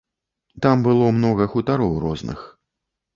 Там было многа хутароў розных.